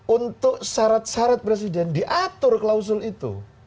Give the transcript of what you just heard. untuk syarat syarat presiden diatur klausul itu